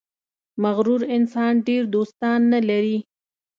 • مغرور انسان ډېر دوستان نه لري.